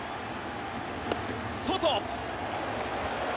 外。